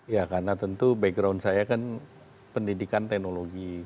ya karena tentu background saya kan pendidikan teknologi